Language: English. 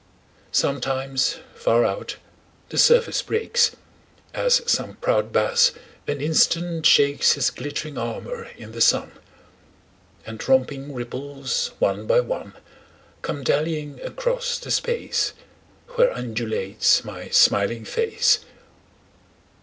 Sometimes, far out, the surface breaks, As some proud bass an instant shakes His glittering armor in the sun, And romping ripples, one by one, Come dallyiong across the space Where undulates my smiling face.